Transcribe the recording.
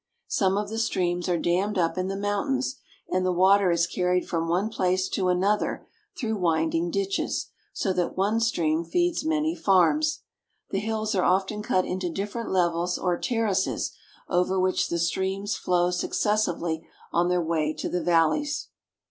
Some of the streams are dammed up in the mountains, and the water is carried from one place to another through winding ditches, so that one stream feeds many farms. The hills are often cut into different levels or terraces, over which the streams flow successively on their way to the valleys.